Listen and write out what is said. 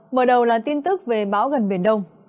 mở đầu là tin tức về bão gần biển đông